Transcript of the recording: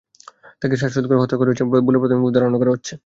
তাঁকে শ্বাসরোধ করে হত্যা করা হয়েছে বলে প্রাথমিকভাবে ধারণা করা হচ্ছে।